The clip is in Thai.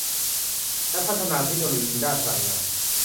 และพัฒนาเทคโนโลยีด้านพลังงาน